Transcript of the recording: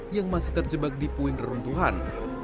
yang masih terjebak di puing reruntuhan